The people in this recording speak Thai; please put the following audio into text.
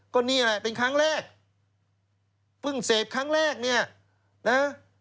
ก็นี่แหละเป็นครั้งแรกเพิ่งเสพครั้งแรกเนี่ยนะ